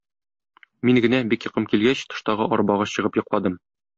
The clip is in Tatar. Мин генә, бик йокым килгәч, тыштагы арбага чыгып йокладым.